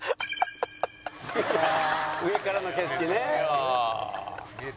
「上からの景色ね」